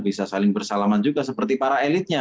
bisa saling bersalaman juga seperti para elitnya